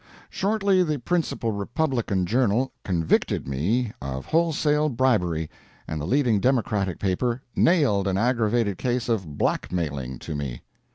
Shortly the principal Republican journal "convicted" me of wholesale bribery, and the leading Democratic paper "nailed" an aggravated case of blackmailing to me.